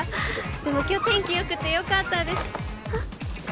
でも今日天気良くてよかったあ！